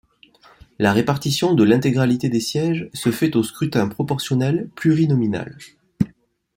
La répartition de l'intégralité des sièges se fait au scrutin proportionnel plurinominal.